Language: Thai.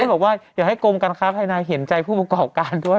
เขาบอกว่าอย่าให้กรมการค้าภายนายเห็นใจผู้ประกอบการด้วย